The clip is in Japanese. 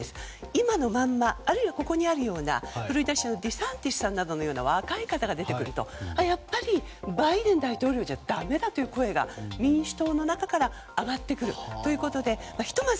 今のまま、あるいはここにあるデサンティスさんのような若い方が出てくるとバイデン大統領じゃだめだというふうな声が民主党の中から上がってくるということでひとまず